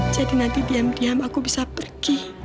jadi nanti diam diam aku bisa pergi